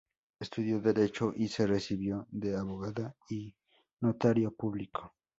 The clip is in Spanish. Estudió derecho y se recibió de abogada y Notario Público.